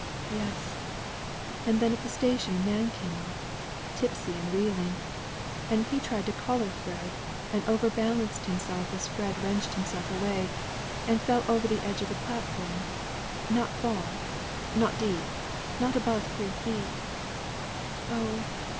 "Yes; and then at the station a man came up tipsy and reeling and he tried to collar Fred, and over balanced himself as Fred wrenched himself away, and fell over the hedge of the platform; not far, not deep; not above three feet; but oh!